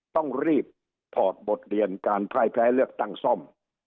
ต้องรีบถอดบทเรียนการพ่ายแพ้เลือกตั้งซ่อม